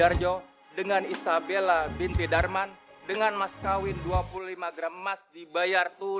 aku akan batalkan pertunangan aku sama tiara